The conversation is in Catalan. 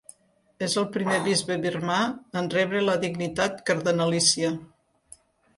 És el primer bisbe birmà en rebre la dignitat cardenalícia.